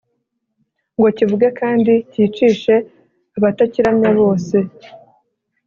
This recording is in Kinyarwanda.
ngo kivuge kandi cyicishe abatakiramya bose.